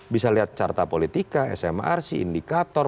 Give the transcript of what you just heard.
bisa lihat carta politika smrc indikator